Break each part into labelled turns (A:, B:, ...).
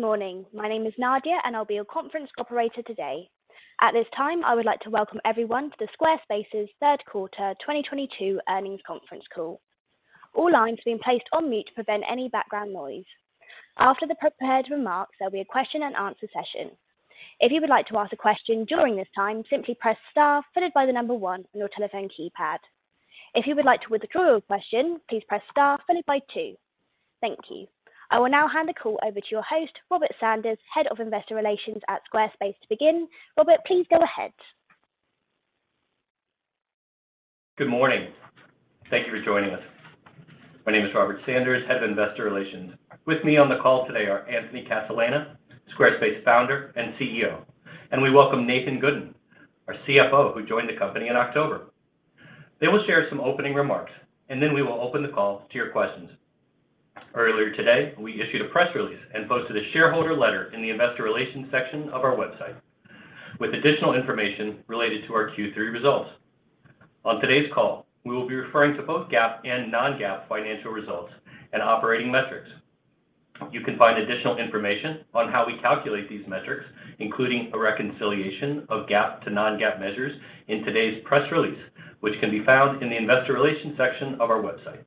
A: Good morning. My name is Nadia, and I'll be your conference operator today. At this time, I would like to welcome everyone to Squarespace's third quarter 2022 earnings conference call. All lines have been placed on mute to prevent any background noise. After the prepared remarks, there'll be a question-and-answer session. If you would like to ask a question during this time, simply press star followed by the number 1 on your telephone keypad. If you would like to withdraw your question, please press star followed by 2. Thank you. I will now hand the call over to your host, Robert Sanders, Head of Investor Relations at Squarespace to begin. Robert, please go ahead.
B: Good morning. Thank you for joining us. My name is Robert Sanders, Head of Investor Relations. With me on the call today are Anthony Casalena, Squarespace Founder and CEO. We welcome Nathan Gooden, our CFO, who joined the company in October. They will share some opening remarks, and then we will open the call to your questions. Earlier today, we issued a press release and posted a shareholder letter in the investor relations section of our website with additional information related to our Q3 results. On today's call, we will be referring to both GAAP and non-GAAP financial results and operating metrics. You can find additional information on how we calculate these metrics, including a reconciliation of GAAP to non-GAAP measures in today's press release, which can be found in the investor relations section of our website.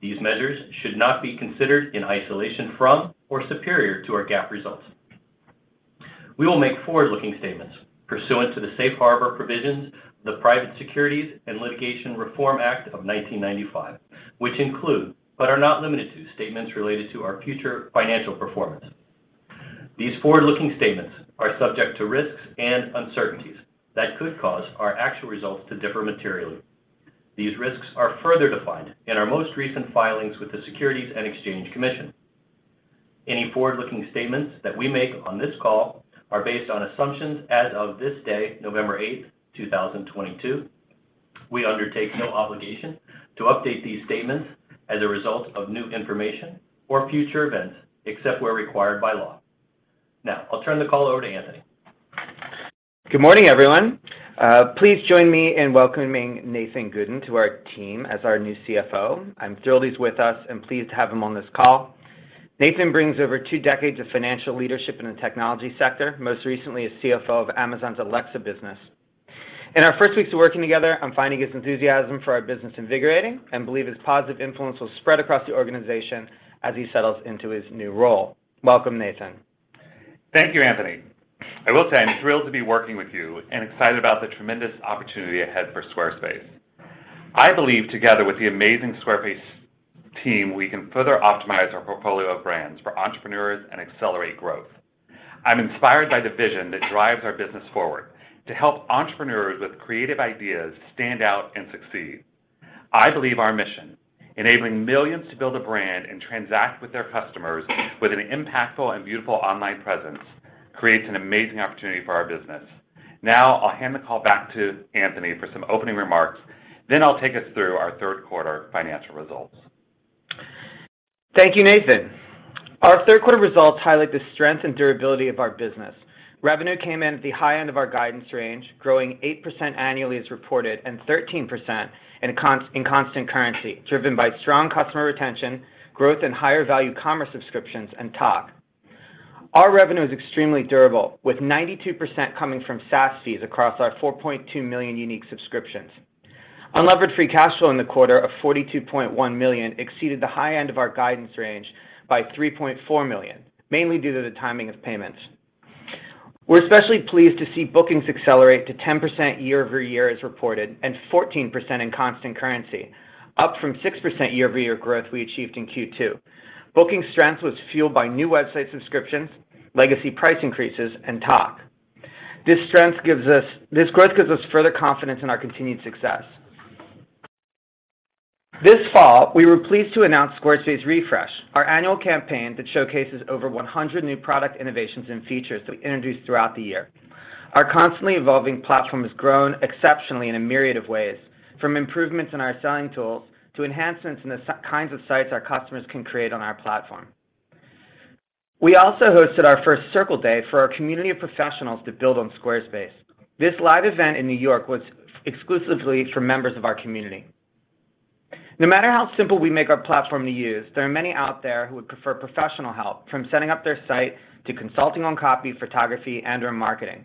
B: These measures should not be considered in isolation from or superior to our GAAP results. We will make forward-looking statements pursuant to the Safe Harbor provisions of the Private Securities Litigation Reform Act of 1995, which include, but are not limited to, statements related to our future financial performance. These forward-looking statements are subject to risks and uncertainties that could cause our actual results to differ materially. These risks are further defined in our most recent filings with the Securities and Exchange Commission. Any forward-looking statements that we make on this call are based on assumptions as of this day, November 8, 2022. We undertake no obligation to update these statements as a result of new information or future events, except where required by law. Now, I'll turn the call over to Anthony.
C: Good morning, everyone. Please join me in welcoming Nathan Gooden to our team as our new CFO. I'm thrilled he's with us and pleased to have him on this call. Nathan brings over two decades of financial leadership in the technology sector, most recently as CFO of Amazon's Alexa business. In our first weeks of working together, I'm finding his enthusiasm for our business invigorating and believe his positive influence will spread across the organization as he settles into his new role. Welcome, Nathan.
D: Thank you, Anthony. I will say I'm thrilled to be working with you and excited about the tremendous opportunity ahead for Squarespace. I believe together with the amazing Squarespace team, we can further optimize our portfolio of brands for entrepreneurs and accelerate growth. I'm inspired by the vision that drives our business forward to help entrepreneurs with creative ideas stand out and succeed. I believe our mission, enabling millions to build a brand and transact with their customers with an impactful and beautiful online presence, creates an amazing opportunity for our business. Now, I'll hand the call back to Anthony for some opening remarks, then I'll take us through our third quarter financial results.
C: Thank you, Nathan. Our third quarter results highlight the strength and durability of our business. Revenue came in at the high end of our guidance range, growing 8% annually as reported and 13% in constant currency, driven by strong customer retention, growth in higher value commerce subscriptions, and Tock. Our revenue is extremely durable, with 92% coming from SaaS fees across our 4.2 million unique subscriptions. Unlevered free cash flow in the quarter of $42.1 million exceeded the high end of our guidance range by $3.4 million, mainly due to the timing of payments. We're especially pleased to see bookings accelerate to 10% year-over-year as reported, and 14% in constant currency, up from 6% year-over-year growth we achieved in Q2. Booking strength was fueled by new website subscriptions, legacy price increases, and Tock. This growth gives us further confidence in our continued success. This fall, we were pleased to announce Squarespace Refresh, our annual campaign that showcases over 100 new product innovations and features that we introduced throughout the year. Our constantly evolving platform has grown exceptionally in a myriad of ways, from improvements in our selling tools to enhancements in the kinds of sites our customers can create on our platform. We also hosted our first Circle Day for our community of professionals to build on Squarespace. This live event in New York was exclusively for members of our community. No matter how simple we make our platform to use, there are many out there who would prefer professional help, from setting up their site to consulting on copy, photography, and/or marketing.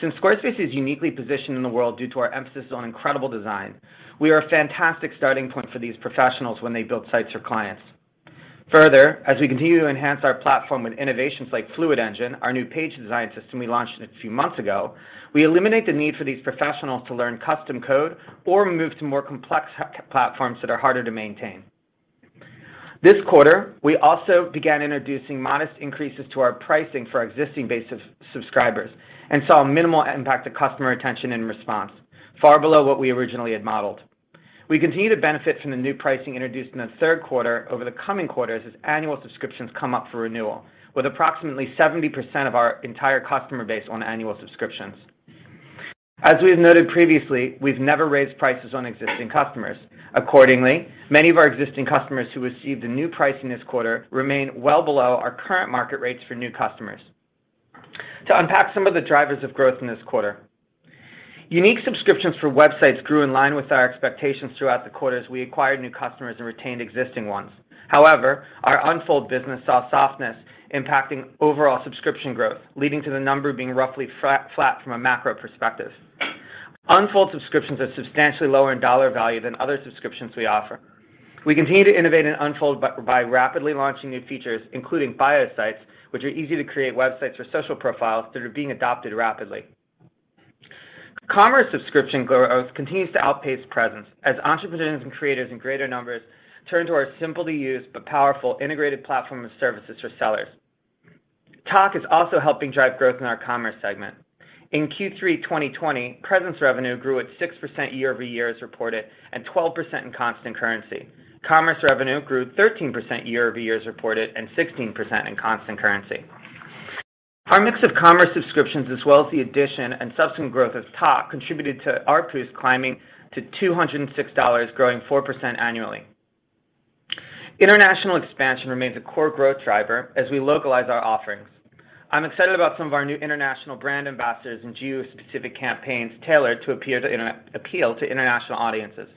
C: Since Squarespace is uniquely positioned in the world due to our emphasis on incredible design, we are a fantastic starting point for these professionals when they build sites for clients. Further, as we continue to enhance our platform with innovations like Fluid Engine, our new page design system we launched a few months ago, we eliminate the need for these professionals to learn custom code or move to more complex platforms that are harder to maintain. This quarter, we also began introducing modest increases to our pricing for our existing base of subscribers and saw a minimal impact to customer retention and response, far below what we originally had modeled. We continue to benefit from the new pricing introduced in the third quarter over the coming quarters as annual subscriptions come up for renewal, with approximately 70% of our entire customer base on annual subscriptions. As we have noted previously, we've never raised prices on existing customers. Accordingly, many of our existing customers who received the new pricing this quarter remain well below our current market rates for new customers. To unpack some of the drivers of growth in this quarter. Unique subscriptions for websites grew in line with our expectations throughout the quarter as we acquired new customers and retained existing ones. However, our Unfold business saw softness impacting overall subscription growth, leading to the number being roughly flat from a macro perspective. Unfold subscriptions are substantially lower in dollar value than other subscriptions we offer. We continue to innovate in Unfold by rapidly launching new features, including Bio Sites, which are easy to create websites or social profiles that are being adopted rapidly. Commerce subscription growth continues to outpace Presence as entrepreneurs and creators in greater numbers turn to our simple to use but powerful integrated platform of services for sellers. Tock is also helping drive growth in our commerce segment. In Q3 2020, Presence revenue grew at 6% year-over-year as reported, and 12% in constant currency. Commerce revenue grew 13% year-over-year as reported, and 16% in constant currency. Our mix of commerce subscriptions, as well as the addition and subsequent growth of Tock, contributed to ARPU's climbing to $206, growing 4% annually. International expansion remains a core growth driver as we localize our offerings. I'm excited about some of our new international brand ambassadors and geo-specific campaigns tailored to appeal to international audiences.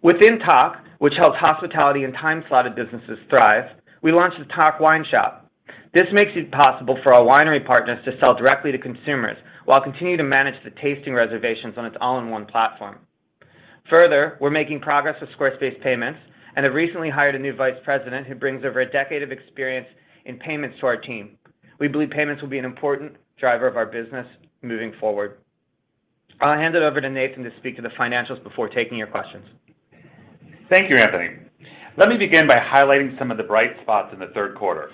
C: Within Tock, which helps hospitality and time-slotted businesses thrive, we launched the Tock Wine Shop. This makes it possible for our winery partners to sell directly to consumers while continuing to manage the tasting reservations on its all-in-one platform. Further, we're making progress with Squarespace Payments and have recently hired a new Vice President who brings over a decade of experience in payments to our team. We believe payments will be an important driver of our business moving forward. I'll hand it over to Nathan to speak to the financials before taking your questions.
D: Thank you, Anthony. Let me begin by highlighting some of the bright spots in the third quarter.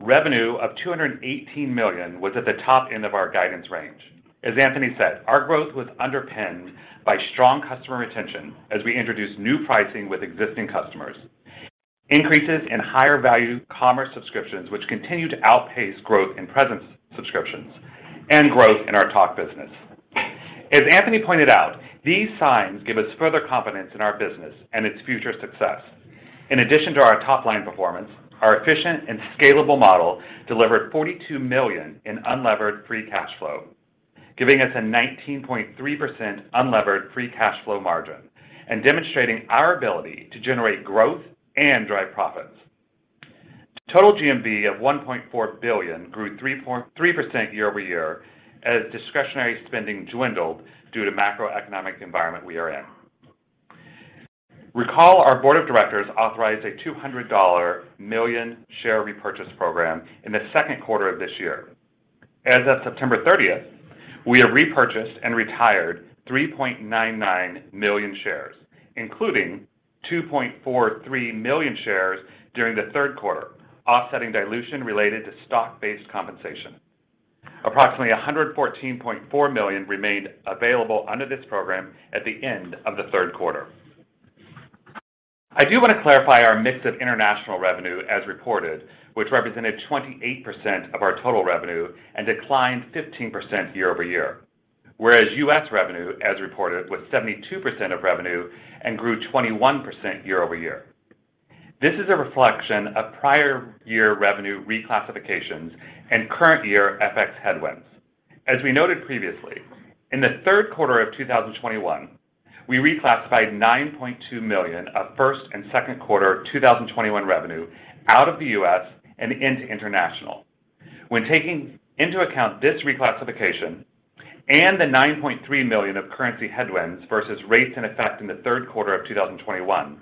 D: Revenue of $218 million was at the top end of our guidance range. As Anthony said, our growth was underpinned by strong customer retention as we introduced new pricing with existing customers, increases in higher value commerce subscriptions which continue to outpace growth in presence subscriptions, and growth in our Tock business. As Anthony pointed out, these signs give us further confidence in our business and its future success. In addition to our top-line performance, our efficient and scalable model delivered $42 million in unlevered free cash flow, giving us a 19.3% unlevered free cash flow margin and demonstrating our ability to generate growth and drive profits. Total GMV of $1.4 billion grew 3.3% year-over-year as discretionary spending dwindled due to macroeconomic environment we are in. Our board of directors authorized a $200 million share repurchase program in the second quarter of this year. As of September 30, we have repurchased and retired 3.99 million shares, including 2.43 million shares during the third quarter, offsetting dilution related to stock-based compensation. Approximately $114.4 million remained available under this program at the end of the third quarter. I do want to clarify our mix of international revenue as reported, which represented 28% of our total revenue and declined 15% year-over-year. U.S. revenue, as reported, was 72% of revenue and grew 21% year-over-year. This is a reflection of prior year revenue reclassifications and current year FX headwinds. As we noted previously, in the third quarter of 2021, we reclassified $9.2 million of first and second quarter 2021 revenue out of the U.S. and into international. When taking into account this reclassification and the $9.3 million of currency headwinds versus rates in effect in the third quarter of 2021,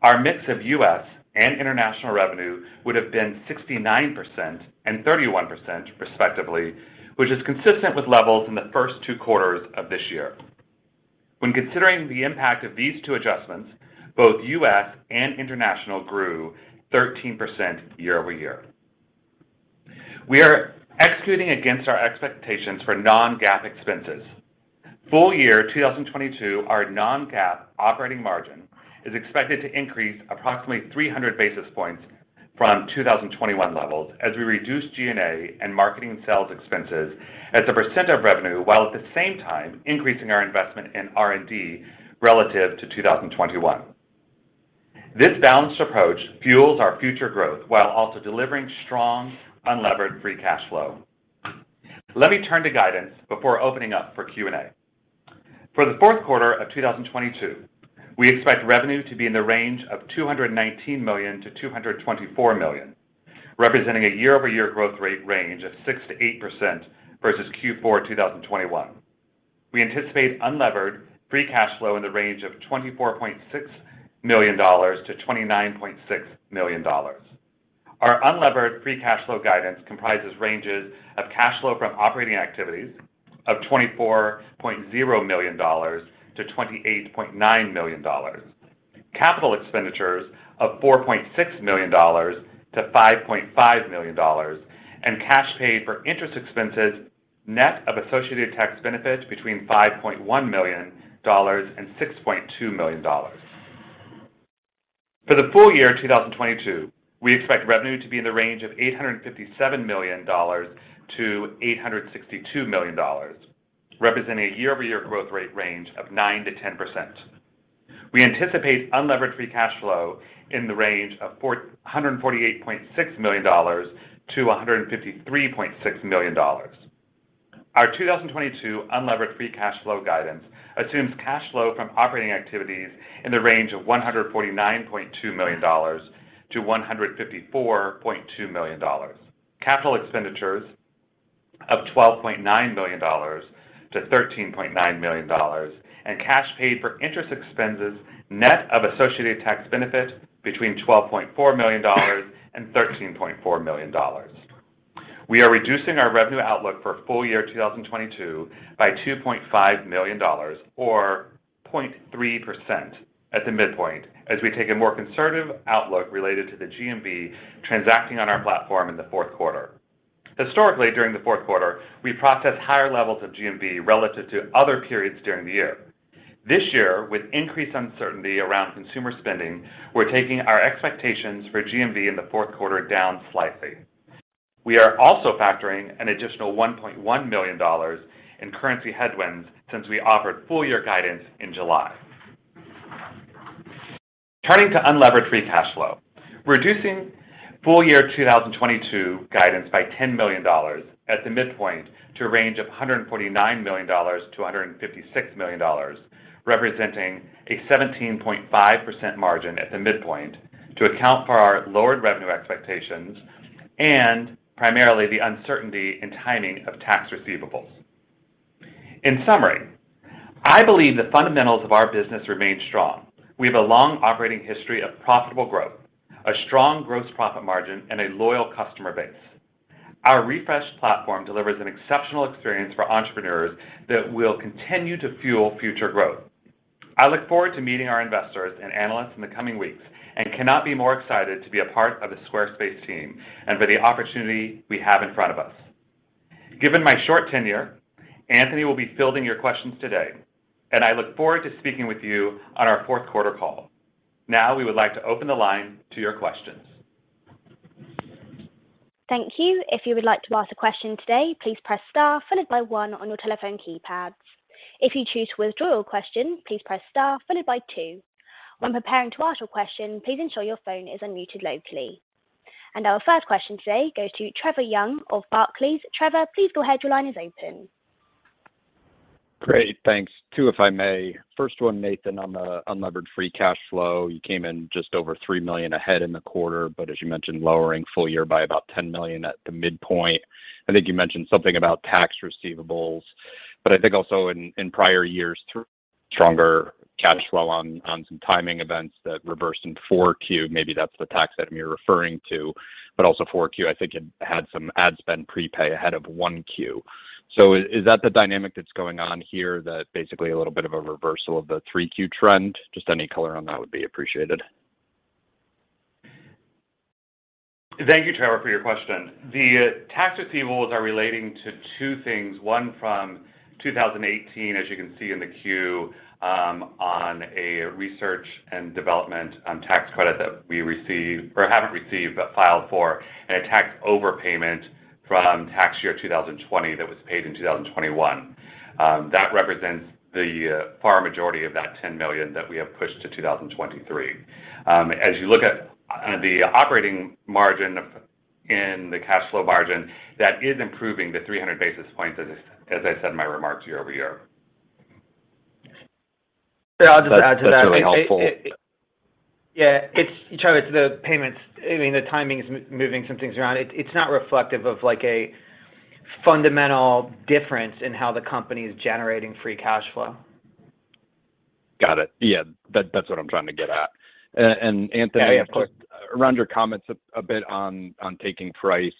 D: our mix of U.S. and international revenue would have been 69% and 31% respectively, which is consistent with levels in the first two quarters of this year. When considering the impact of these two adjustments, both US and international grew 13% year-over-year. We are executing against our expectations for non-GAAP expenses. Full year 2022, our non-GAAP operating margin is expected to increase approximately 300 basis points from 2021 levels as we reduce G&A and marketing and sales expenses as a % of revenue, while at the same time increasing our investment in R&D relative to 2021. This balanced approach fuels our future growth while also delivering strong unlevered free cash flow. Let me turn to guidance before opening up for Q&A. For the fourth quarter of 2022, we expect revenue to be in the range of $219 million-$224 million, representing a year-over-year growth rate range of 6%-8% versus Q4 2021. We anticipate unlevered free cash flow in the range of $24.6 million-$29.6 million. Our unlevered free cash flow guidance comprises ranges of cash flow from operating activities of $24.0 million-$28.9 million. Capital expenditures of $4.6 million-$5.5 million. Cash paid for interest expenses, net of associated tax benefits between $5.1 million and $6.2 million. For the full year 2022, we expect revenue to be in the range of $857 million-$862 million, representing a year-over-year growth rate range of 9%-10%. We anticipate unlevered free cash flow in the range of $148.6 million-$153.6 million. Our 2022 unlevered free cash flow guidance assumes cash flow from operating activities in the range of $149.2 million-$154.2 million. Capital expenditures of $12.9 million-$13.9 million, and cash paid for interest expenses net of associated tax benefit between $12.4 million and $13.4 million. We are reducing our revenue outlook for full year 2022 by $2.5 million or 0.3% at the midpoint as we take a more conservative outlook related to the GMV transacting on our platform in the fourth quarter. Historically, during the fourth quarter, we process higher levels of GMV relative to other periods during the year. This year, with increased uncertainty around consumer spending, we're taking our expectations for GMV in the fourth quarter down slightly. We are also factoring an additional $1.1 million in currency headwinds since we offered full year guidance in July. Turning to unlevered free cash flow. Reducing full year 2022 guidance by $10 million at the midpoint to a range of $149 million-$156 million, representing a 17.5% margin at the midpoint to account for our lowered revenue expectations and primarily the uncertainty in timing of tax receivables. In summary, I believe the fundamentals of our business remain strong. We have a long operating history of profitable growth, a strong gross profit margin, and a loyal customer base. Our refreshed platform delivers an exceptional experience for entrepreneurs that will continue to fuel future growth. I look forward to meeting our investors and analysts in the coming weeks and cannot be more excited to be a part of the Squarespace team and for the opportunity we have in front of us. Given my short tenure, Anthony will be fielding your questions today, and I look forward to speaking with you on our fourth quarter call. Now we would like to open the line to your questions.
A: Thank you. If you would like to ask a question today, please press star followed by one on your telephone keypads. If you choose to withdraw your question, please press star followed by two. When preparing to ask your question, please ensure your phone is unmuted locally. Our first question today goes to Trevor Young of Barclays. Trevor, please go ahead. Your line is open.
E: Great. Thanks. Two, if I may. First one, Nathan, on the unlevered free cash flow. You came in just over $3 million ahead in the quarter, but as you mentioned, lowering full year by about $10 million at the midpoint. I think you mentioned something about tax receivables, but I think also in prior years, through stronger cash flow on some timing events that reversed in Q4, maybe that's the tax item you're referring to, but also Q4, I think it had some ad spend prepay ahead of Q1. Is that the dynamic that's going on here that basically a little bit of a reversal of the Q3 trend? Just any color on that would be appreciated.
D: Thank you, Trevor, for your question. The tax receivables are relating to two things. One from 2018, as you can see in the Q, on a research and development tax credit that we received or haven't received, but filed for, and a tax overpayment from tax year 2020 that was paid in 2021. That represents the far majority of that $10 million that we have pushed to 2023. As you look at the operating margin in the cash flow margin, that is improving 300 basis points as I said in my remarks year-over-year.
C: I'll just add to that.
E: That's really helpful.
C: Yeah. It's, Trevor, it's the payments. I mean, the timing is moving some things around. It's not reflective of, like, a fundamental difference in how the company is generating free cash flow.
E: Got it. Yeah. That, that's what I'm trying to get at. Anthony-
C: Yeah, of course.
E: Around your comments, a bit on taking price,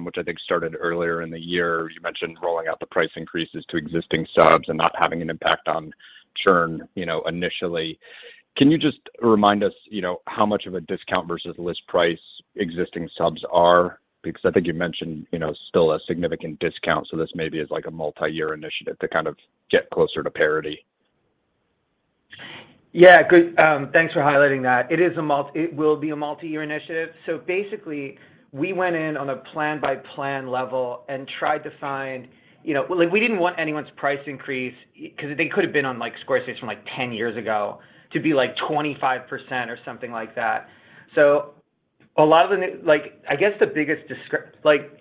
E: which I think started earlier in the year. You mentioned rolling out the price increases to existing subs and not having an impact on churn, you know, initially. Can you just remind us how much of a discount versus list price existing subs are? Because I think you mentioned, you know, still a significant discount. This maybe is like a multi-year initiative to kind of get closer to parity.
C: Yeah. Good. Thanks for highlighting that. It will be a multi-year initiative. Basically, we went in on a plan-by-plan level and tried to find, you know. Like, we didn't want anyone's price increase, 'cause they could have been on, like, Squarespace from, like, 10 years ago to be, like, 25% or something like that. A lot of the. Like, I guess the biggest. Like,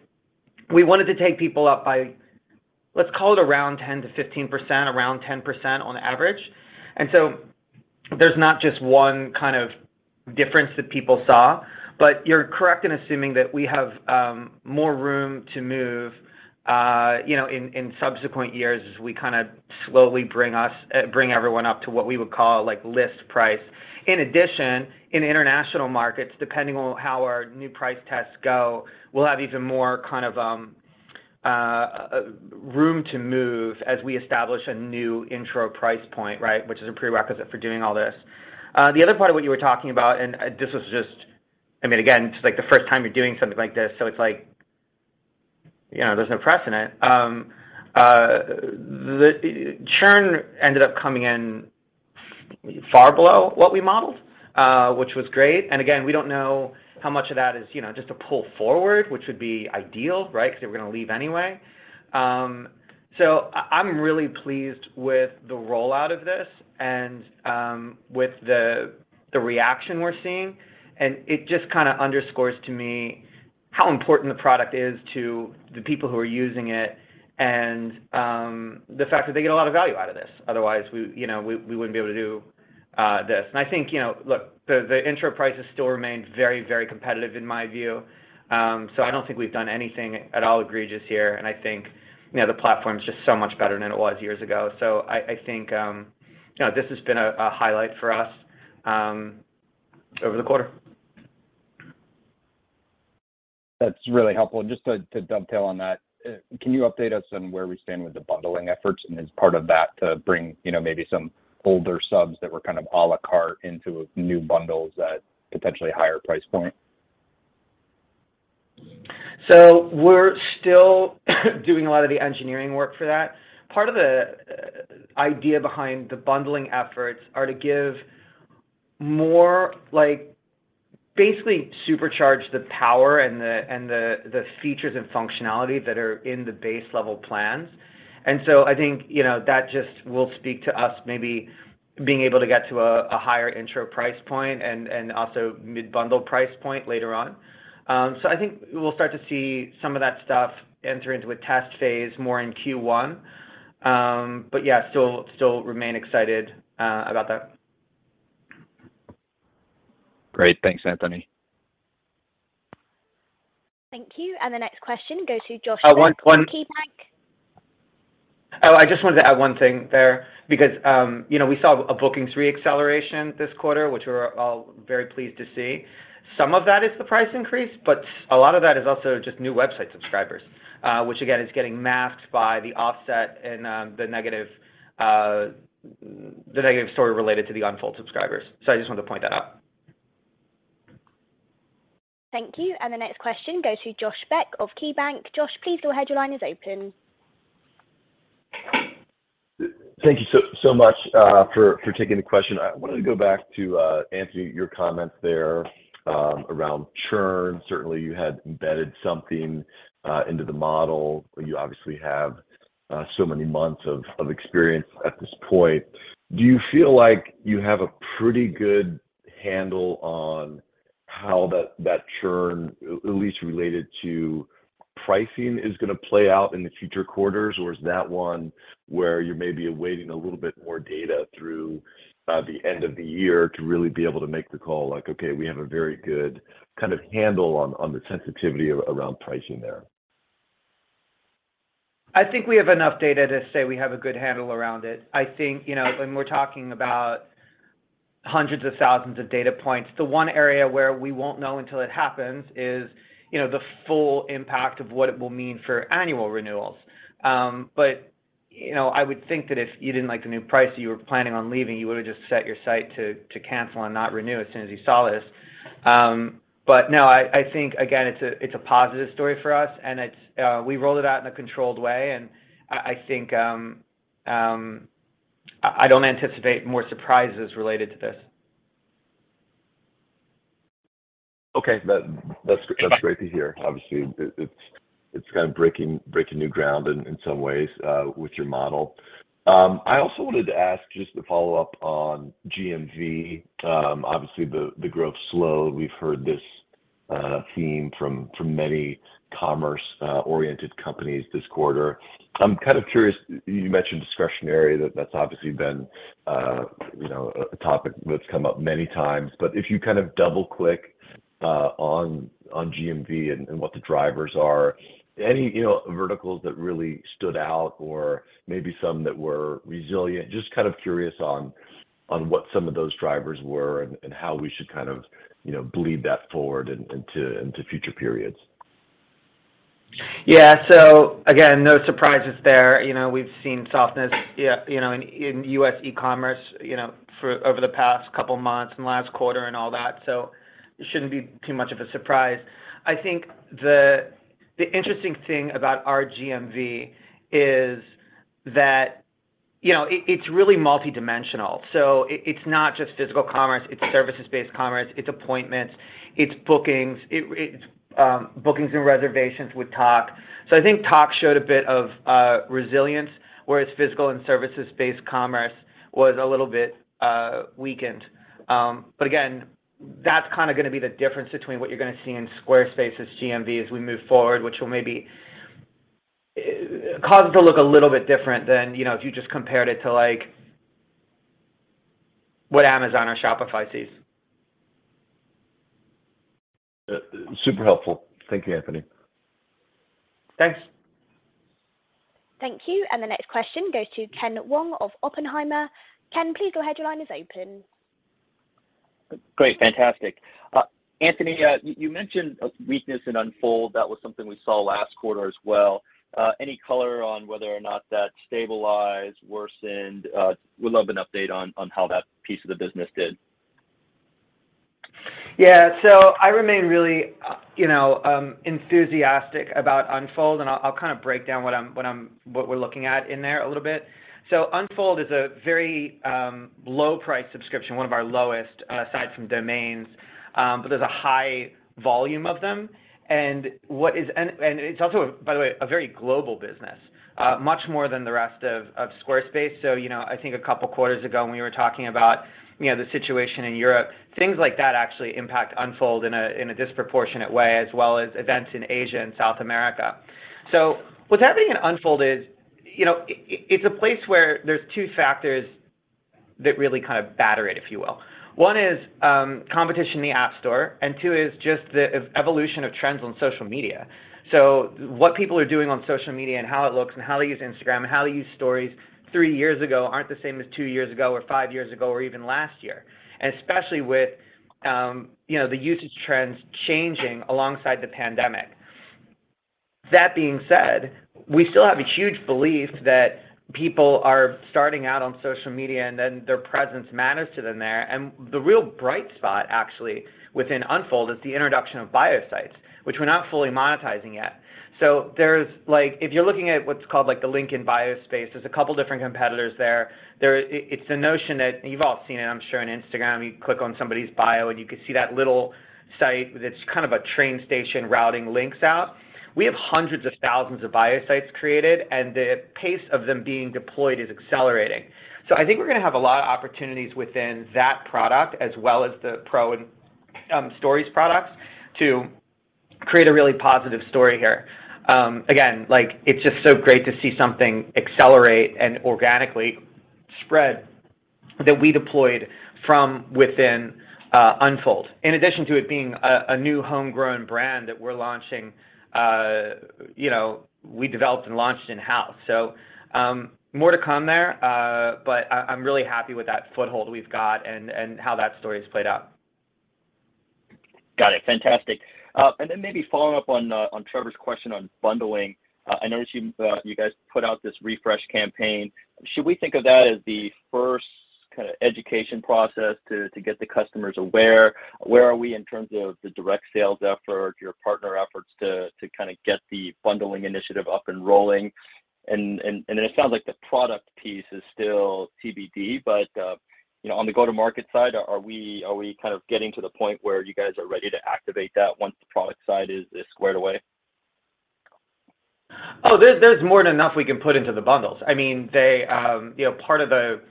C: we wanted to take people up by, let's call it around 10%-15%, around 10% on average. There's not just one kind of difference that people saw, but you're correct in assuming that we have more room to move, you know, in subsequent years as we kinda slowly bring everyone up to what we would call, like, list price. In addition, in international markets, depending on how our new price tests go, we'll have even more kind of room to move as we establish a new intro price point, right? Which is a prerequisite for doing all this. The other part of what you were talking about, and this was just, I mean, again, it's like the first time you're doing something like this, so it's like, you know, there's no precedent. The churn ended up coming in far below what we modeled, which was great. Again, we don't know how much of that is, you know, just a pull forward, which would be ideal, right? Because they were gonna leave anyway. So I'm really pleased with the rollout of this and with the reaction we're seeing. It just kinda underscores to me how important the product is to the people who are using it and the fact that they get a lot of value out of this. Otherwise, we, you know, we wouldn't be able to do this. I think, you know, look, the intro price has still remained very, very competitive in my view. I don't think we've done anything at all egregious here, and I think, you know, the platform's just so much better than it was years ago. I think, you know, this has been a highlight for us over the quarter.
E: That's really helpful. Just to dovetail on that, can you update us on where we stand with the bundling efforts and as part of that to bring, you know, maybe some older subs that were kind of à la carte into new bundles at potentially a higher price point?
C: We're still doing a lot of the engineering work for that. Part of the idea behind the bundling efforts are to give more like basically supercharge the power and the features and functionality that are in the base level plans. I think, you know, that just will speak to us maybe being able to get to a higher intro price point and also mid-bundle price point later on. I think we'll start to see some of that stuff enter into a test phase more in Q1. Yeah, still remain excited about that.
E: Great. Thanks, Anthony.
A: Thank you. The next question goes to Josh Beck-
C: One.
A: Of KeyBanc.
C: I just wanted to add one thing there because, you know, we saw a bookings re-acceleration this quarter, which we're all very pleased to see. Some of that is the price increase, but a lot of that is also just new website subscribers, which again, is getting masked by the offset and, the negative story related to the Unfold subscribers. I just wanted to point that out.
A: Thank you. The next question goes to Josh Beck of KeyBanc. Josh, please go ahead, your line is open.
F: Thank you so much for taking the question. I wanted to go back to Anthony, your comments there around churn. Certainly, you had embedded something into the model. You obviously have so many months of experience at this point. Do you feel like you have a pretty good handle on how that churn, at least related to pricing, is gonna play out in the future quarters? Or is that one where you may be awaiting a little bit more data through the end of the year to really be able to make the call, like, "Okay, we have a very good kind of handle on the sensitivity around pricing there"?
C: I think we have enough data to say we have a good handle around it. I think, you know, when we're talking about hundreds of thousands of data points, the one area where we won't know until it happens is, you know, the full impact of what it will mean for annual renewals. You know, I would think that if you didn't like the new price, you were planning on leaving, you would've just set your site to cancel and not renew as soon as you saw this. No, I think, again, it's a positive story for us, and it's we rolled it out in a controlled way, and I think I don't anticipate more surprises related to this.
F: Okay. That's great to hear. Obviously, it's kind of breaking new ground in some ways with your model. I also wanted to ask just to follow up on GMV. Obviously the growth slowed. We've heard this theme from many commerce oriented companies this quarter. I'm kind of curious, you mentioned discretionary, that's obviously been, you know, a topic that's come up many times. But if you kind of double-click on GMV and what the drivers are, any, you know, verticals that really stood out or maybe some that were resilient? Just kind of curious on what some of those drivers were and how we should kind of, you know, bleed that forward into future periods?
C: Yeah. Again, no surprises there. You know, we've seen softness, yeah, you know, in U.S. e-commerce, you know, for over the past couple of months and last quarter and all that. It shouldn't be too much of a surprise. I think the interesting thing about our GMV is that, you know, it's really multidimensional. It's not just physical commerce, it's services-based commerce, it's appointments, it's bookings, it's bookings and reservations with Tock. I think Tock showed a bit of resilience, whereas physical and services-based commerce was a little bit weakened. Again, that's kinda gonna be the difference between what you're gonna see in Squarespace's GMV as we move forward, which will maybe cause it to look a little bit different than, you know, if you just compared it to like what Amazon or Shopify sees.
F: Super helpful. Thank you, Anthony.
C: Thanks.
A: Thank you. The next question goes to Ken Wong of Oppenheimer. Ken, please go ahead. Your line is open.
G: Great. Fantastic. Anthony, you mentioned a weakness in Unfold. That was something we saw last quarter as well. Any color on whether or not that stabilized, worsened? Would love an update on how that piece of the business did.
C: Yeah. I remain really, you know, enthusiastic about Unfold, and I'll kind of break down what we're looking at in there a little bit. Unfold is a very low-price subscription, one of our lowest, aside from domains, but there's a high volume of them. It's also, by the way, a very global business, much more than the rest of Squarespace. You know, I think a couple quarters ago when we were talking about, you know, the situation in Europe, things like that actually impact Unfold in a disproportionate way, as well as events in Asia and South America. With that being, in Unfold is, you know, it's a place where there's two factors that really kind of batter it, if you will. One is competition in the App Store, and two is just the evolution of trends on social media. What people are doing on social media and how it looks and how they use Instagram and how they use stories three years ago aren't the same as two years ago or five years ago or even last year. Especially with, you know, the usage trends changing alongside the pandemic. That being said, we still have a huge belief that people are starting out on social media, and then their presence matters to them there. The real bright spot actually within Unfold is the introduction of Bio Sites, which we're not fully monetizing yet. There's like, if you're looking at what's called like the link in bio space, there's a couple different competitors there. It's the notion that you've all seen it, I'm sure, on Instagram, you click on somebody's bio, and you can see that little site that's kind of a train station routing links out. We have hundreds of thousands of Bio Sites created, and the pace of them being deployed is accelerating. I think we're gonna have a lot of opportunities within that product as well as the pro and stories products to create a really positive story here. Again, like, it's just so great to see something accelerate and organically spread that we deployed from within Unfold. In addition to it being a new homegrown brand that we're launching, you know, we developed and launched in-house. More to come there, but I'm really happy with that foothold we've got and how that story's played out.
G: Got it. Fantastic. Maybe following up on Trevor's question on bundling, I noticed you guys put out this refresh campaign. Should we think of that as the first kind of education process to get the customers aware? Where are we in terms of the direct sales effort, your partner efforts to kinda get the bundling initiative up and rolling? It sounds like the product piece is still TBD, but you know, on the go-to-market side, are we kind of getting to the point where you guys are ready to activate that once the product side is squared away?
C: There's more than enough we can put into the bundles. I mean, you know, part of the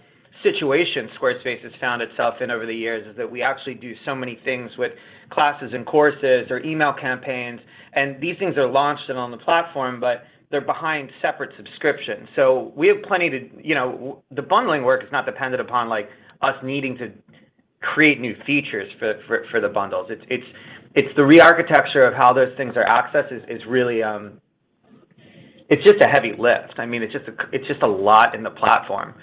C: situation Squarespace has found itself in over the years is that we actually do so many things with classes and courses or email campaigns, and these things are launched and on the platform, but they're behind separate subscriptions. We have plenty to, you know. The bundling work is not dependent upon, like, us needing to create new features for the bundles. It's the rearchitecture of how those things are accessed is really, it's just a heavy lift. I mean, it's just a lot in the platform.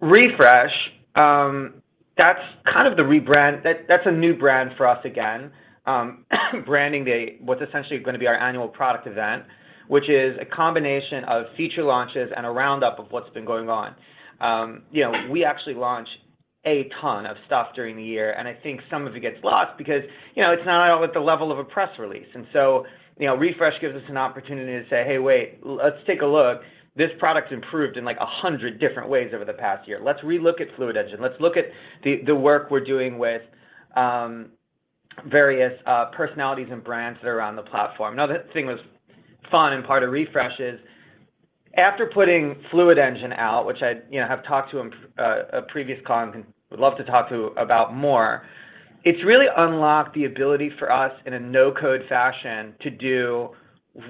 C: Refresh, that's kind of the rebrand. That's a new brand for us again, what's essentially gonna be our annual product event, which is a combination of feature launches and a roundup of what's been going on. You know, we actually launch a ton of stuff during the year, and I think some of it gets lost because, you know, it's not all at the level of a press release. You know, Refresh gives us an opportunity to say, "Hey, wait. Let's take a look. This product's improved in, like, 100 different ways over the past year. Let's relook at Fluid Engine. Let's look at the work we're doing with various personalities and brands that are on the platform. Another thing was fun and part of Refresh is after putting Fluid Engine out, which I, you know, have talked about on a previous call and would love to talk about more. It's really unlocked the ability for us in a no-code fashion to do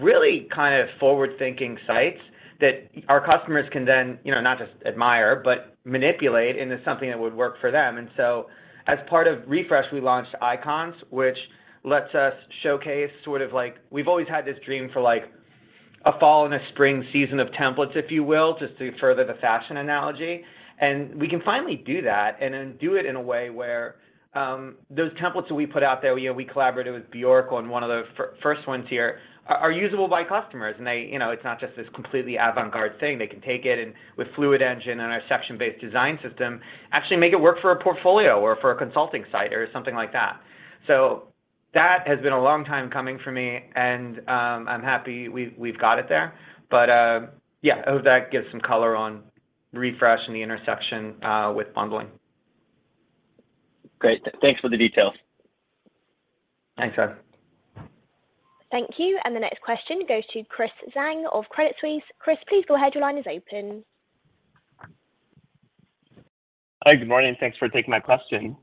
C: really kind of forward-thinking sites that our customers can then, you know, not just admire, but manipulate into something that would work for them. As part of Refresh, we launched Icons, which lets us showcase sort of like, we've always had this dream for like a fall and a spring season of templates, if you will, just to further the fashion analogy, and we can finally do that, and then do it in a way where, those templates that we put out there, you know, we collaborated with Bjork on one of the first ones here, are usable by customers. They, you know, it's not just this completely avant-garde thing. They can take it and with Fluid Engine and our section-based design system, actually make it work for a portfolio or for a consulting site or something like that. That has been a long time coming for me, and, I'm happy we've got it there. Yeah, I hope that gives some color on Refresh and the intersection with bundling.
G: Great. Thanks for the details.
C: Thanks, Ken Wong.
A: Thank you. The next question goes to Chris Zhang of Credit Suisse. Chris, please go ahead. Your line is open.
H: Hi. Good morning. Thanks for taking my question.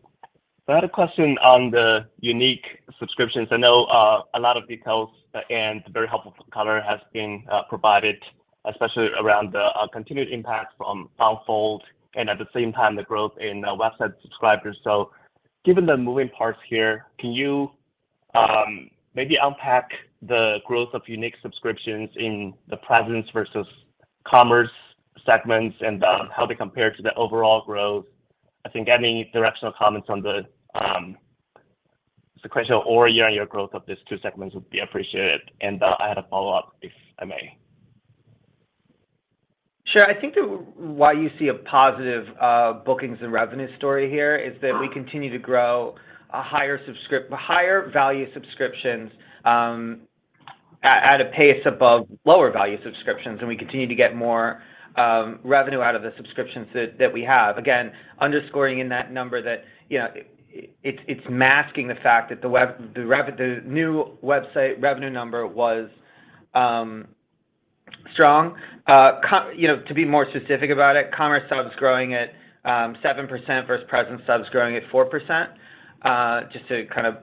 H: I had a question on the unique subscriptions. I know a lot of details and very helpful color has been provided, especially around the continued impact from Unfold and at the same time the growth in website subscribers. Given the moving parts here, can you maybe unpack the growth of unique subscriptions in the Presence versus Commerce segments and how they compare to the overall growth? I think any directional comments on the sequential or year-on-year growth of these two segments would be appreciated. And I had a follow-up, if I may.
C: Sure. I think that's why you see a positive bookings and revenue story here is that we continue to grow higher value subscriptions at a pace above lower value subscriptions, and we continue to get more revenue out of the subscriptions that we have. Again, underscoring in that number that, you know, it's masking the fact that the new website revenue number was strong. You know, to be more specific about it, commerce subs growing at 7% versus Presence subs growing at 4%, just to kind of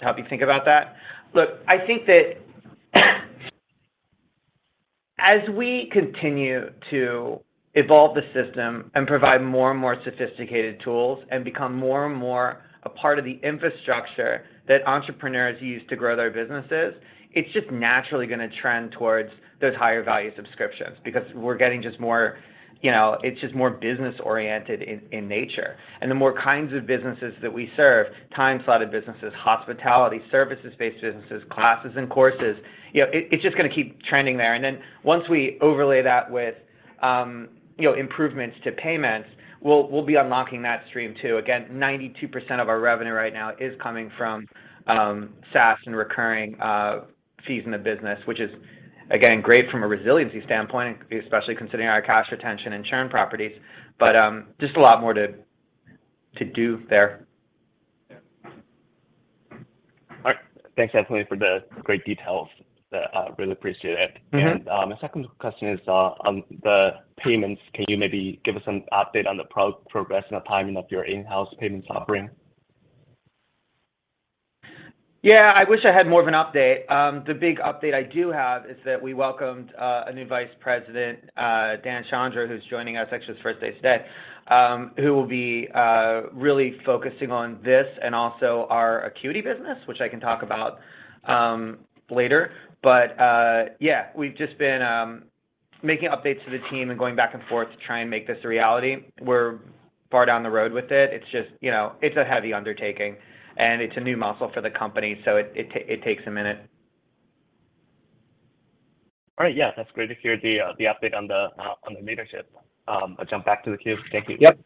C: help you think about that. Look, I think that as we continue to evolve the system and provide more and more sophisticated tools and become more and more a part of the infrastructure that entrepreneurs use to grow their businesses, it's just naturally gonna trend towards those higher value subscriptions because we're getting just more, you know, it's just more business-oriented in nature. The more kinds of businesses that we serve, time-slotted businesses, hospitality, services-based businesses, classes and courses, you know, it's just gonna keep trending there. Then once we overlay that with, you know, improvements to payments, we'll be unlocking that stream too. Again, 92% of our revenue right now is coming from SaaS and recurring fees in the business, which is, again, great from a resiliency standpoint, especially considering our cash retention and churn properties. Just a lot more to do there.
H: All right. Thanks, Anthony, for the great details. Really appreciate it.
C: Mm-hmm.
H: My second question is on the payments. Can you maybe give us an update on the progress and the timing of your in-house payments offering?
C: Yeah. I wish I had more of an update. The big update I do have is that we welcomed a new Vice President, Dan Chandre, who's joining us. Actually, it's his first day today, who will be really focusing on this and also our Acuity business, which I can talk about later. Yeah, we've just been making updates to the team and going back and forth to try and make this a reality. We're far down the road with it. It's just, you know, it's a heavy undertaking, and it's a new muscle for the company, so it takes a minute.
H: All right. Yeah. That's great to hear the update on the leadership. I'll jump back to the queue. Thank you.
C: Yep.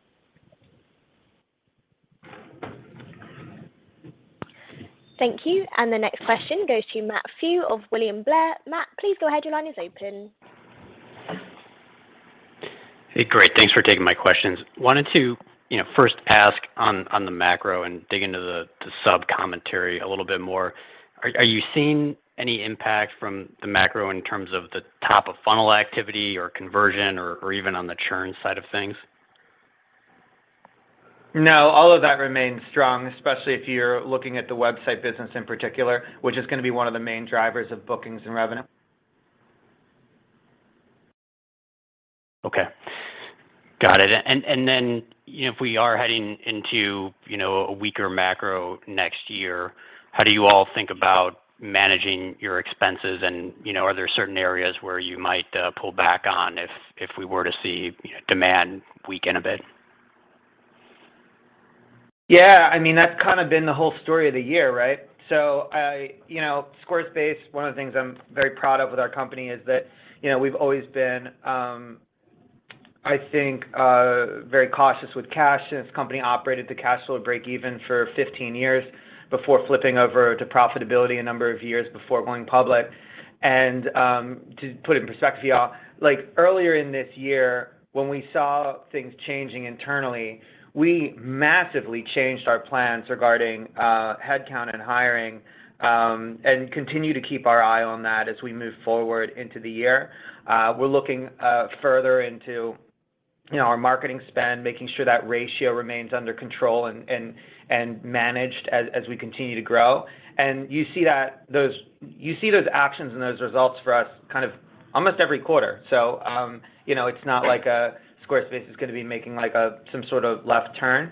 A: Thank you. The next question goes to Matthew Pfau of William Blair. Matt, please go ahead. Your line is open.
I: Hey, great. Thanks for taking my questions. Wanted to, you know, first ask on the macro and dig into the sub-commentary a little bit more. Are you seeing any impact from the macro in terms of the top of funnel activity or conversion or even on the churn side of things?
C: No, all of that remains strong, especially if you're looking at the website business in particular, which is gonna be one of the main drivers of bookings and revenue.
I: Okay. Got it. You know, if we are heading into, you know, a weaker macro next year, how do you all think about managing your expenses? You know, are there certain areas where you might pull back on if we were to see, you know, demand weaken a bit?
C: Yeah. I mean, that's kinda been the whole story of the year, right? You know, Squarespace, one of the things I'm very proud of with our company is that, you know, we've always been, I think, very cautious with cash. This company operated to cash flow break even for 15 years before flipping over to profitability a number of years before going public. To put it in perspective, like earlier in this year when we saw things changing internally, we massively changed our plans regarding headcount and hiring, and continue to keep our eye on that as we move forward into the year. We're looking further into, you know, our marketing spend, making sure that ratio remains under control and managed as we continue to grow. You see that those. You see those actions and those results for us kind of almost every quarter. You know, it's not like Squarespace is gonna be making like some sort of left turn.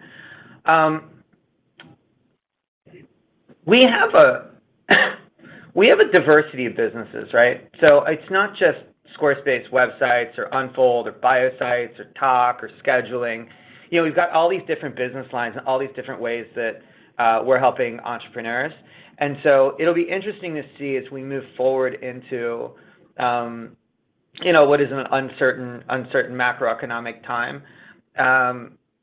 C: We have a diversity of businesses, right? It's not just Squarespace websites or Unfold or Bio Sites or Tock or Scheduling. You know, we've got all these different business lines and all these different ways that we're helping entrepreneurs. It'll be interesting to see as we move forward into you know, what is an uncertain macroeconomic time,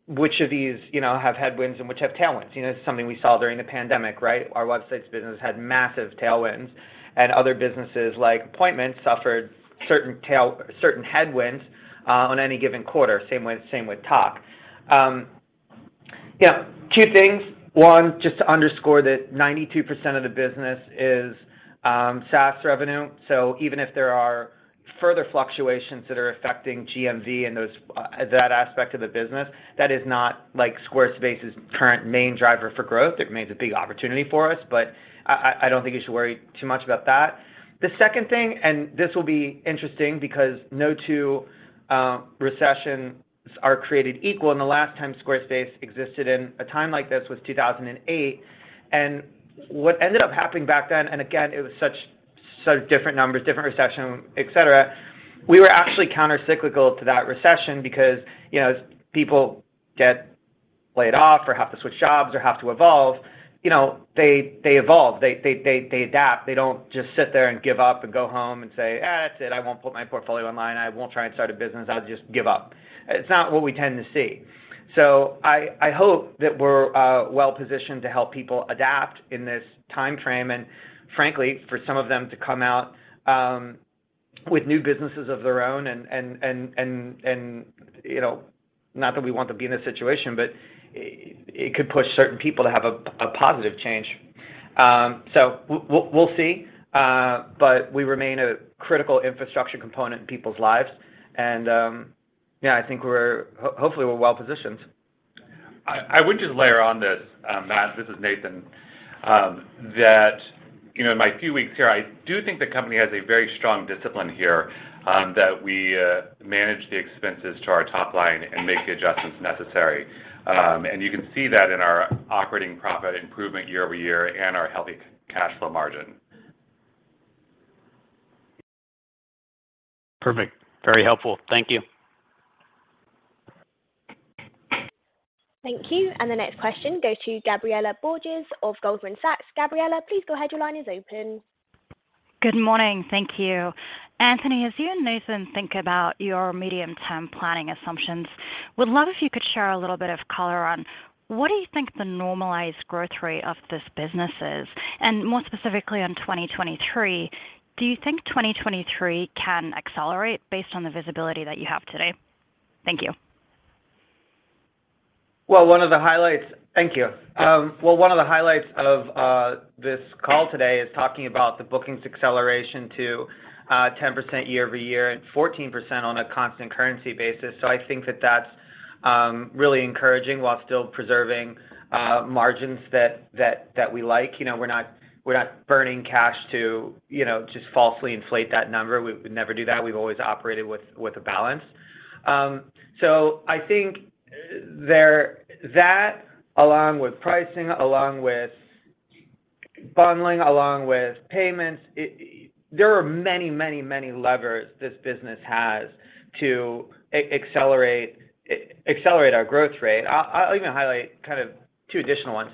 C: which of these you know, have headwinds and which have tailwinds. You know, this is something we saw during the pandemic, right? Our websites business had massive tailwinds, and other businesses like Appointments suffered certain headwinds on any given quarter, same with Tock. You know, two things. One, just to underscore that 92% of the business is SaaS revenue. Even if there are further fluctuations that are affecting GMV and those that aspect of the business, that is not like Squarespace's current main driver for growth. It remains a big opportunity for us, but I don't think you should worry too much about that. The second thing, and this will be interesting because no two recessions are created equal, and the last time Squarespace existed in a time like this was 2008. What ended up happening back then, and again, it was such different numbers, different recession, et cetera, we were actually countercyclical to that recession because, you know, people get laid off or have to switch jobs or have to evolve, you know, they adapt. They don't just sit there and give up and go home and say, "That's it. I won't put my portfolio online. I won't try and start a business. I'll just give up." It's not what we tend to see. I hope that we're well-positioned to help people adapt in this timeframe, and frankly, for some of them to come out with new businesses of their own and you know, not that we want to be in this situation, but it could push certain people to have a positive change. We'll see. We remain a critical infrastructure component in people's lives. I think we're hopefully well-positioned.
D: I would just layer on this, Matt, this is Nathan, that you know, in my few weeks here, I do think the company has a very strong discipline here, that we manage the expenses to our top line and make the adjustments necessary. You can see that in our operating profit improvement year-over-year and our healthy cash flow margin.
H: Perfect. Very helpful. Thank you.
A: Thank you. The next question goes to Gabriela Borges of Goldman Sachs. Gabriela, please go ahead. Your line is open.
J: Good morning. Thank you. Anthony, as you and Nathan think about your medium-term planning assumptions, would love if you could share a little bit of color on what do you think the normalized growth rate of this business is? More specifically on 2023, do you think 2023 can accelerate based on the visibility that you have today? Thank you.
C: One of the highlights. Thank you. One of the highlights of this call today is talking about the bookings acceleration to 10% year-over-year and 14% on a constant-currency basis. I think that's really encouraging while still preserving margins that we like. You know, we're not burning cash to you know, just falsely inflate that number. We would never do that. We've always operated with a balance. I think there. That, along with pricing, along with bundling, along with payments, there are many levers this business has to accelerate our growth rate. I'll even highlight kind of two additional ones.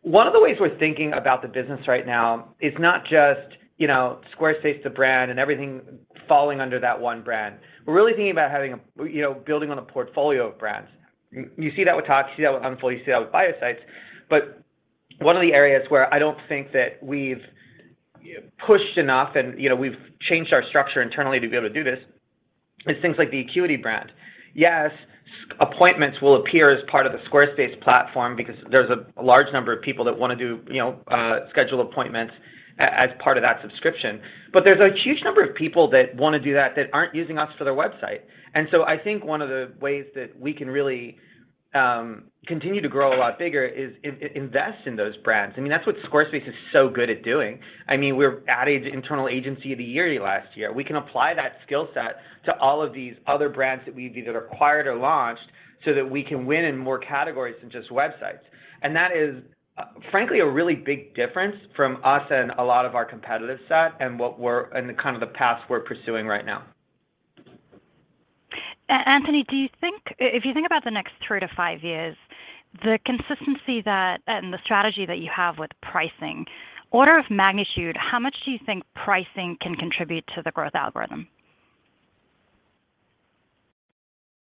C: One of the ways we're thinking about the business right now is not just, you know, Squarespace the brand and everything falling under that one brand. We're really thinking about having, you know, building on a portfolio of brands. You see that with Tock, you see that with Unfold, you see that with Bio Sites. One of the areas where I don't think that we've pushed enough and, you know, we've changed our structure internally to be able to do this is things like the Acuity brand. Yes, appointments will appear as part of the Squarespace platform because there's a large number of people that wanna do. You know, schedule appointments as part of that subscription. There's a huge number of people that wanna do that aren't using us for their website. I think one of the ways that we can really continue to grow a lot bigger is invest in those brands. I mean, that's what Squarespace is so good at doing. I mean, we were awarded internal agency of the year last year. We can apply that skill set to all of these other brands that we've either acquired or launched so that we can win in more categories than just websites. That is, frankly, a really big difference from us and a lot of our competitive set and kind of the paths we're pursuing right now.
J: Anthony, if you think about the next three to five years, the consistency that, and the strategy that you have with pricing, order of magnitude, how much do you think pricing can contribute to the growth algorithm?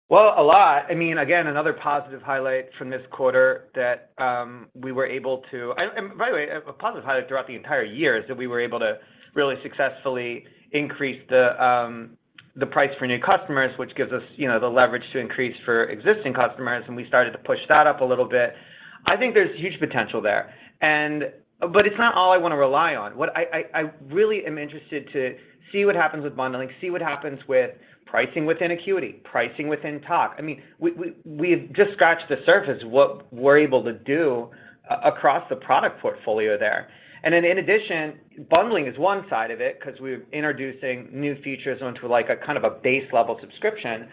C: Well, a lot. I mean, again, another positive highlight from this quarter. By the way, a positive highlight throughout the entire year is that we were able to really successfully increase the price for new customers, which gives us, you know, the leverage to increase for existing customers, and we started to push that up a little bit. I think there's huge potential there. It's not all I wanna rely on. What I really am interested to see what happens with bundling, see what happens with pricing within Acuity, pricing within Tock. I mean, we've just scratched the surface what we're able to do across the product portfolio there. In addition, bundling is one side of it 'cause we're introducing new features onto, like, a kind of a base level subscription.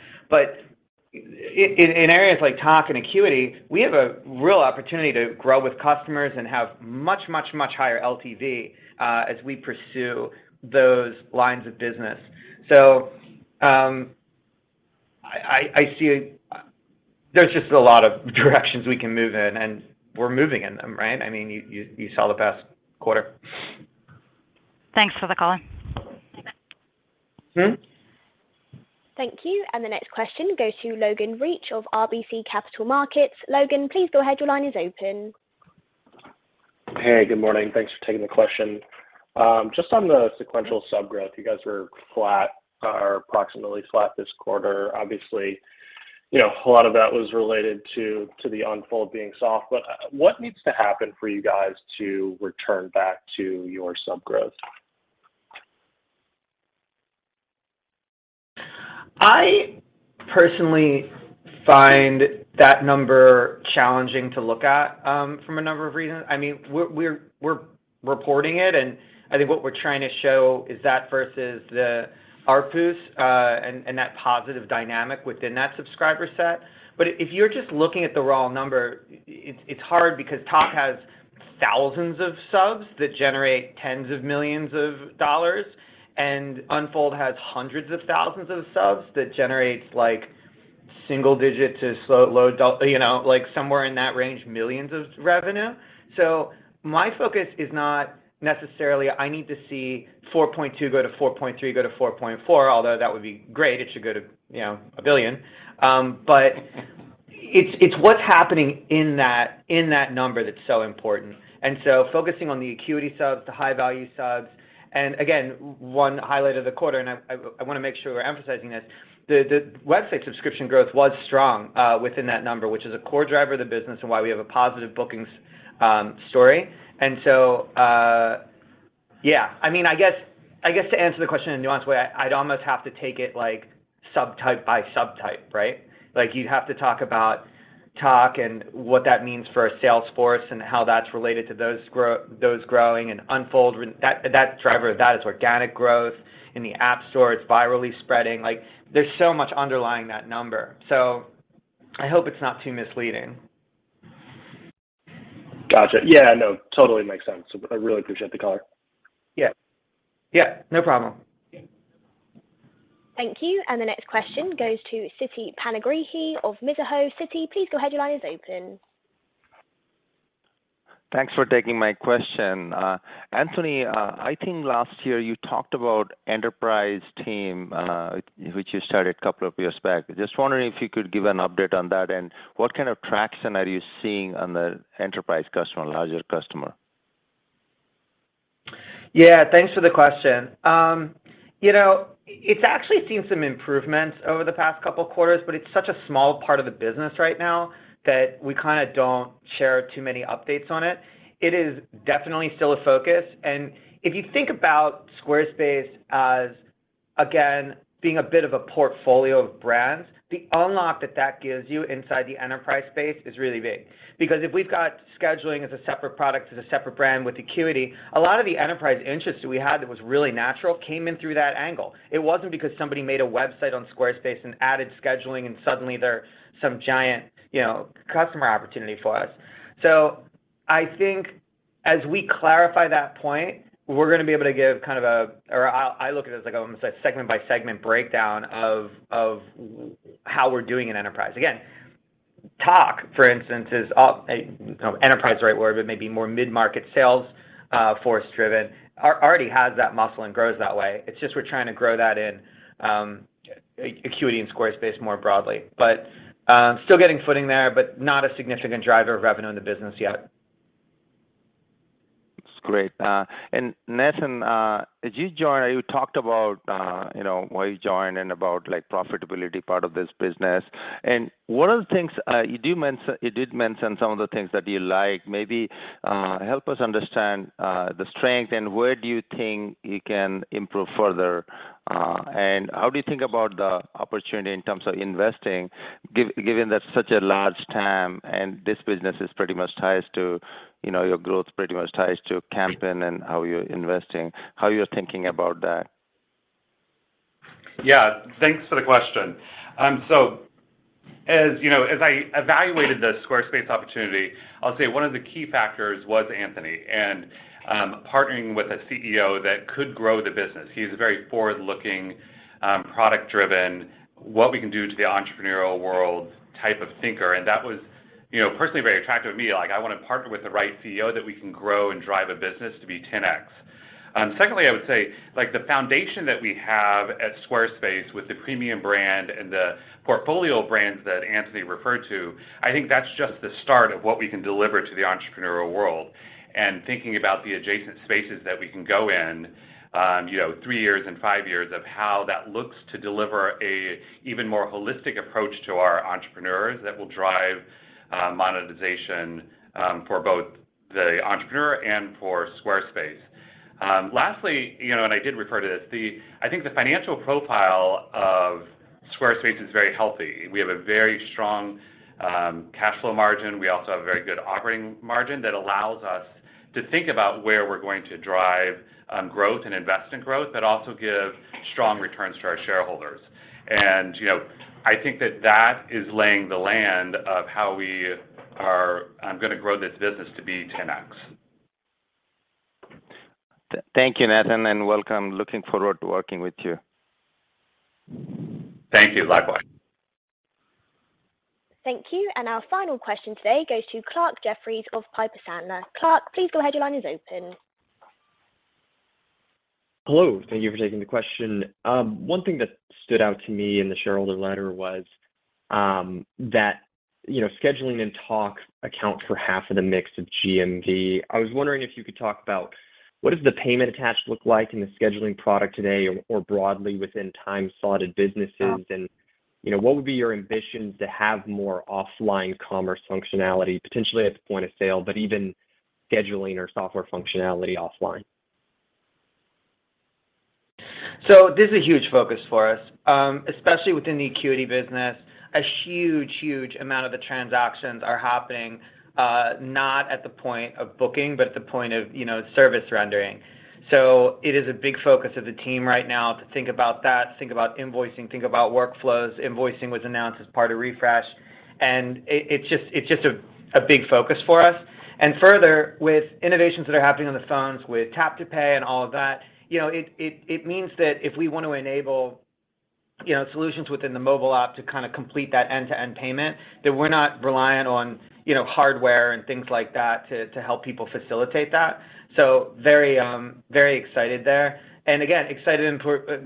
C: In areas like Tock and Acuity, we have a real opportunity to grow with customers and have much higher LTV, as we pursue those lines of business. I see. There's just a lot of directions we can move in, and we're moving in them, right? I mean, you saw the past quarter.
J: Thanks for the color.
C: Mm-hmm.
A: Thank you. The next question goes to Logan Reich of RBC Capital Markets. Logan, please go ahead. Your line is open.
K: Hey, good morning. Thanks for taking the question. Just on the sequential sub-growth, you guys were flat or approximately flat this quarter. Obviously, you know, a lot of that was related to the Unfold being soft. What needs to happen for you guys to return back to your sub-growth?
C: I personally find that number challenging to look at from a number of reasons. I mean, we're reporting it, and I think what we're trying to show is that versus the ARPUs and that positive dynamic within that subscriber set. If you're just looking at the raw number, it's hard because Tock has thousands of subs that generate tens of millions of dollars, and Unfold has hundreds of thousands of subs that generates like single-digit to low double-digit dollars, you know, like somewhere in that range, millions in revenue. My focus is not necessarily I need to see $4.2 go to $4.3 go to $4.4, although that would be great. It should go to, you know, $1 billion. But it's what's happening in that number that's so important. Focusing on the Acuity subs, the high-value subs, and again, one highlight of the quarter, and I wanna make sure we're emphasizing this. The website subscription growth was strong within that number, which is a core driver of the business and why we have a positive bookings story. Yeah. I mean, I guess to answer the question in a nuanced way, I'd almost have to take it like subtype by subtype, right? Like, you'd have to talk about Tock and what that means for a sales force and how that's related to those growing and Unfold that driver of that is organic growth. In the App Store, it's virally spreading. Like, there's so much underlying that number. I hope it's not too misleading.
K: Gotcha. Yeah, no, totally makes sense. I really appreciate the color.
C: Yeah. Yeah, no problem.
A: Thank you. The next question goes to Siti Panigrahi of Mizuho. Siti, please go ahead. Your line is open.
L: Thanks for taking my question. Anthony, I think last year you talked about enterprise team, which you started a couple of years back. Just wondering if you could give an update on that, and what kind of traction are you seeing on the enterprise customer, larger customer?
C: Yeah, thanks for the question. You know, it's actually seen some improvements over the past couple of quarters, but it's such a small part of the business right now that we kinda don't share too many updates on it. It is definitely still a focus. If you think about Squarespace as, again, being a bit of a portfolio of brands, the unlock that that gives you inside the enterprise space is really big. Because if we've got Scheduling as a separate product, as a separate brand with Acuity, a lot of the enterprise interest that we had that was really natural came in through that angle. It wasn't because somebody made a website on Squarespace and added Scheduling, and suddenly there's some giant, you know, customer opportunity for us. I think as we clarify that point, we're gonna be able to give kind of a. I look at it as like almost a segment by segment breakdown of how we're doing in enterprise. Again, Tock, for instance, is a, you know, enterprise is the right word, but maybe more mid-market sales force-driven. Already has that muscle and grows that way. It's just we're trying to grow that in Acuity and Squarespace more broadly. Still getting footing there, but not a significant driver of revenue in the business yet.
L: That's great. Nathan, as you joined, you talked about, you know, why you joined and about like profitability part of this business. What are the things you did mention, some of the things that you like. Maybe help us understand the strength and where do you think you can improve further? How do you think about the opportunity in terms of investing given that such a large TAM and this business is pretty much ties to, you know, your growth pretty much ties to company and how you're investing, how you're thinking about that?
D: Yeah. Thanks for the question. So as, you know, as I evaluated the Squarespace opportunity, I'll say one of the key factors was Anthony and partnering with a CEO that could grow the business. He's a very forward-looking, product-driven, what we can do to the entrepreneurial world type of thinker, and that was, you know, personally very attractive to me. Like, I wanna partner with the right CEO that we can grow and drive a business to be 10x. Secondly, I would say, like the foundation that we have at Squarespace with the premium brand and the portfolio brands that Anthony referred to, I think that's just the start of what we can deliver to the entrepreneurial world. Thinking about the adjacent spaces that we can go in, you know, three years and five years of how that looks to deliver an even more holistic approach to our entrepreneurs that will drive monetization for both the entrepreneur and for Squarespace. Lastly, you know, I did refer to this. I think the financial profile of Squarespace is very healthy. We have a very strong cash flow margin. We also have a very good operating margin that allows us to think about where we're going to drive growth and invest in growth, but also give strong returns to our shareholders. You know, I think that is laying the land of how we are gonna grow this business to be 10x.
L: Thank you, Nathan, and welcome. Looking forward to working with you.
D: Thank you. Bye-bye.
A: Thank you. Our final question today goes to Clarke Jeffries of Piper Sandler. Clark, please go ahead. Your line is open.
M: Hello. Thank you for taking the question. One thing that stood out to me in the shareholder letter was, that, you know, Scheduling and Tock account for half of the mix of GMV. I was wondering if you could talk about what does the payment attach look like in the Scheduling product today or broadly within time-slotted businesses? You know, what would be your ambition to have more offline commerce functionality, potentially at the point of sale, but even Scheduling or software functionality offline? This is a huge focus for us, especially within the Acuity business. A huge amount of the transactions are happening, not at the point of booking, but at the point of, you know, service rendering. It is a big focus of the team right now to think about that, think about invoicing, think about workflows.
C: Invoicing was announced as part of Refresh. It's just a big focus for us. Further, with innovations that are happening on the phones with tap to pay and all of that, you know, it means that if we want to enable, you know, solutions within the mobile app to kind of complete that end-to-end payment, that we're not reliant on, you know, hardware and things like that to help people facilitate that. Very excited there. Again, excited in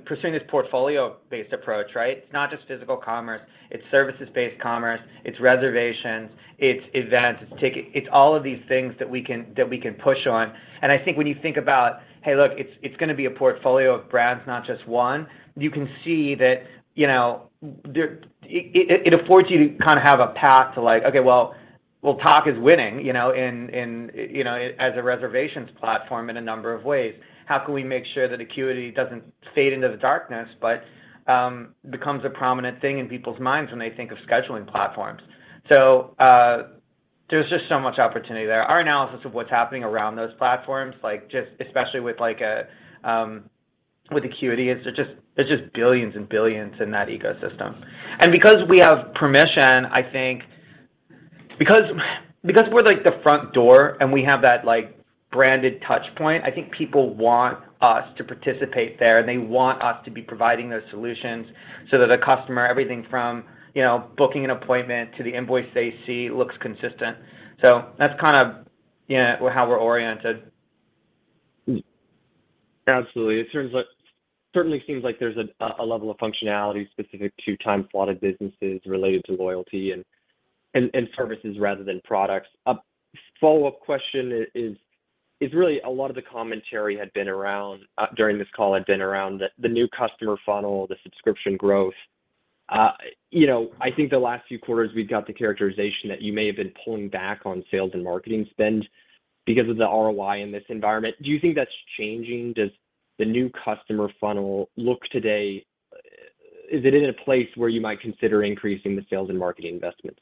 C: pursuing this portfolio-based approach, right? It's not just physical commerce, it's services-based commerce, it's reservations, it's events, it's ticket. It's all of these things that we can push on. I think when you think about, hey, look, it's gonna be a portfolio of brands, not just one, you can see that, you know, there it affords you to kind of have a path to like, okay, well Tock is winning, you know, in as a reservations platform in a number of ways. How can we make sure that Acuity doesn't fade into the darkness, but becomes a prominent thing in people's minds when they think of Scheduling platforms? So, there's just so much opportunity there. Our analysis of what's happening around those platforms, like just especially with like a with Acuity, is there's just billions and billions in that ecosystem. Because we have permission, I think because we're like the front door and we have that like branded touch point, I think people want us to participate there. They want us to be providing those solutions so that a customer, everything from, you know, booking an appointment to the invoice they see looks consistent. That's kind of, you know, how we're oriented.
M: Absolutely. Certainly seems like there's a level of functionality specific to time slotted businesses related to loyalty and services rather than products. A follow-up question is really a lot of the commentary had been around during this call around the new customer funnel, the subscription growth. You know, I think the last few quarters we've got the characterization that you may have been pulling back on sales and marketing spend because of the ROI in this environment. Do you think that's changing? Does the new customer funnel look today. Is it in a place where you might consider increasing the sales and marketing investments?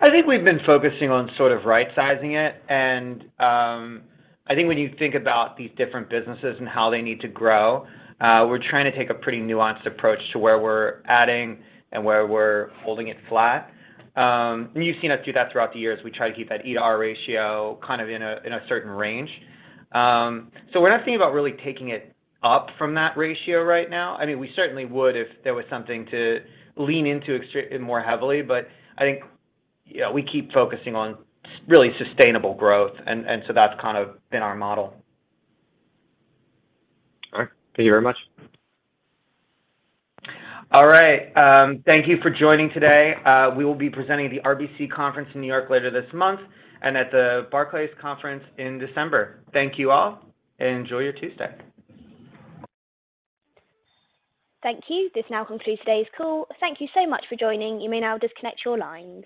C: I think we've been focusing on sort of right sizing it. I think when you think about these different businesses and how they need to grow, we're trying to take a pretty nuanced approach to where we're adding and where we're holding it flat. You've seen us do that throughout the years. We try to keep that ER ratio kind of in a certain range. So we're not thinking about really taking it up from that ratio right now. I mean, we certainly would if there was something to lean into more heavily, but I think, yeah, we keep focusing on really sustainable growth and so that's kind of been our model.
M: All right. Thank you very much.
C: All right. Thank you for joining today. We will be presenting at the RBC Conference in New York later this month and at the Barclays Conference in December. Thank you all, and enjoy your Tuesday.
A: Thank you. This now concludes today's call. Thank you so much for joining. You may now disconnect your lines.